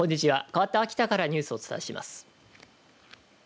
かわって秋田からニュースをお伝えします。